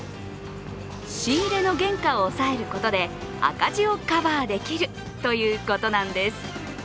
仕入れの原価を抑えることで赤字をカバーできるということなんです。